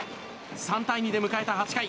３対２で迎えた８回。